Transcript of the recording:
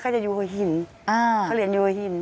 จะอยู่หัวหินเขาเรียนอยู่หัวหิน